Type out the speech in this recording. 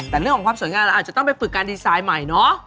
แต่เรื่องของความสวยงามเราอาจจะต้องไปฝึกการดีไซน์ใหม่เนาะ